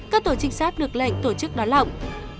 các tổ trinh sát được lệnh tổ chức đón lọng